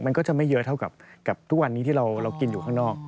มันก็จะไม่เยอะเท่ากับทุกวันนี้ที่เรากินอยู่ข้างนอก